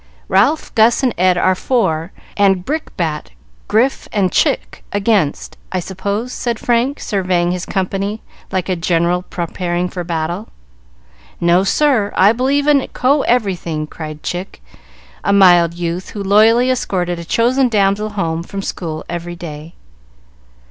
"Ralph, Gus, and Ed are for, and Brickbat, Grif, and Chick against, I suppose?" said Frank, surveying his company like a general preparing for battle. "No, sir! I believe in co everything!" cried Chick, a mild youth, who loyally escorted a chosen damsel home from school every day.